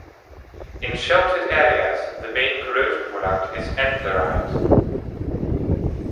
In sheltered areas, the main corrosion product is antlerite.